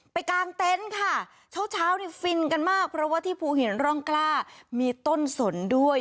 กลางเต็นต์ค่ะเช้าเช้านี่ฟินกันมากเพราะว่าที่ภูหินร่องกล้ามีต้นสนด้วย